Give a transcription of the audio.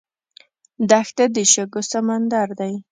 دښته د شګو سمندر دی.